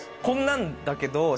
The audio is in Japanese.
「こんなんだけど」